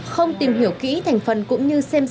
không tìm hiểu kỹ thành phần cũng như xem xét